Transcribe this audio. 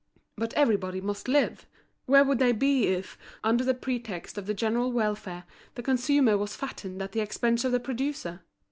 But everybody must live; where would they be if, under the pretext of the general welfare, the consumer was fattened at the expense of the producer?